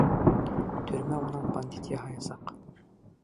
Төрмә унан бандит яһаясаҡ.